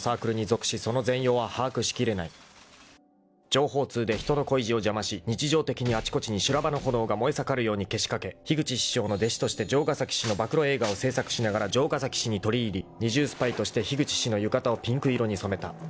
［情報通で人の恋路を邪魔し日常的にあちこちに修羅場の炎が燃え盛るようにけしかけ樋口師匠の弟子として城ヶ崎氏の暴露映画を制作しながら城ヶ崎氏に取り入り二重スパイとして樋口氏の浴衣をピンク色に染めた］